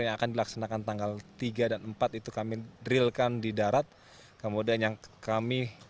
yang akan dilaksanakan tanggal tiga dan empat itu kami drillkan di darat kemudian yang kami